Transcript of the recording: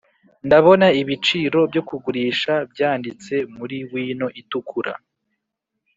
ndabona ibiciro byo kugurisha byanditse muri wino itukura.